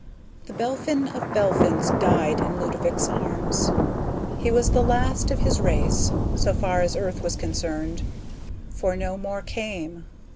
The Belphin of Belphins died in Ludovick's arms. He was the last of his race, so far as Earth was concerned, for no more came.